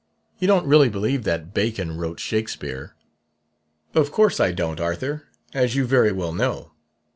You don't really believe that "Bacon wrote Shakespeare"?' "Of course I don't, Arthur, as you very well know.